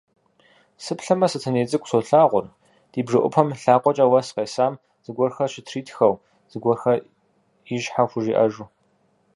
Сыплъэмэ, Сэтэней цӏыкӏу солагъур, ди бжэӏупэм лъакъуэкӏэ уэс къесам зыгуэрхэр щытритхэу, зыгуэрхэр ищхьэ хужиӏэжу.